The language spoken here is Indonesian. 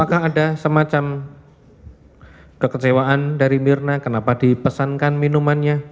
apakah ada semacam kekecewaan dari mirna kenapa dipesankan minumannya